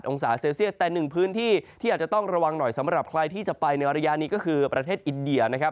องศาเซลเซียสแต่หนึ่งพื้นที่ที่อาจจะต้องระวังหน่อยสำหรับใครที่จะไปในระยะนี้ก็คือประเทศอินเดียนะครับ